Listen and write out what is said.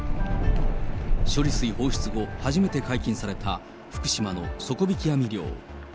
処理水放出後、初めて解禁された福島の底引き網漁。